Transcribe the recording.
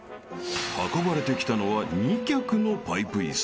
［運ばれてきたのは２脚のパイプ椅子］